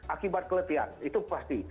akibat keletihan itu pasti